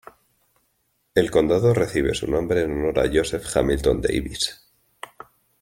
El condado recibe su nombre en honor a Joseph Hamilton Daviess.